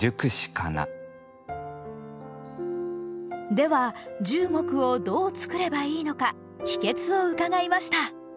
では十五句をどう作ればいいのか秘けつを伺いました。